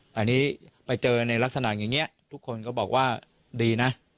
แต่อันนี้ไปเจอในลักษณะอย่างนี้ทุกคนก็บอกว่าดีนะ